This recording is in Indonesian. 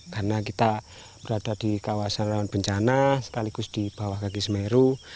karena kita berada di kawasan awan bencana sekaligus di bawah kaki semeru